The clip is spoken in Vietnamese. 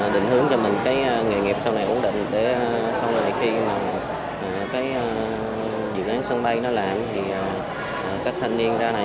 định hướng cho mình cái nghề nghiệp sau này ổn định để sau này khi mà cái dự án sân bay nó lạng thì các thanh niên ra này